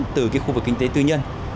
từ cái khu vực kinh tế tư nhân